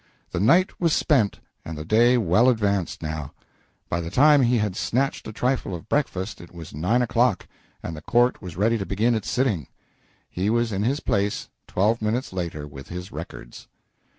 The night was spent and the day well advanced, now. By the time he had snatched a trifle of breakfast it was nine o'clock, and the court was ready to begin its sitting. He was in his place twelve minutes later with his "records."